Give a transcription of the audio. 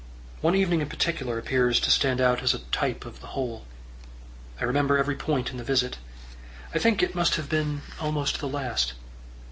One evening in particular appears to stand out as a type of the whole. I remember every point in the visit. I think it must have been almost the last.